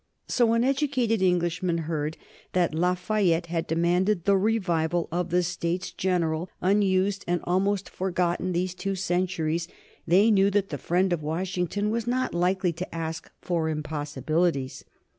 So when educated Englishmen heard that Lafayette had demanded the revival of the States General, unused and almost forgotten these two centuries, they knew that the friend of Washington was not likely to ask for impossibilities.